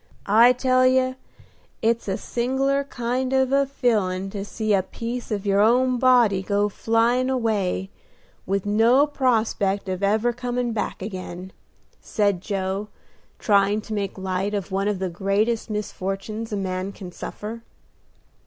I tell you, it's a sing'lar kind of a feelin' to see a piece of your own body go flyin' away, with no prospect of ever coming back again," said Joe, trying to make light of one of the greatest misfortunes a man can suffer.